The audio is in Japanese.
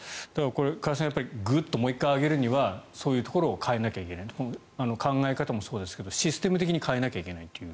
これ、加谷さんグッともう１回上げるにはそういうところを変えなきゃいけない考え方もそうですがシステム的に変えなければいけないという。